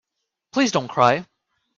Please don't cry.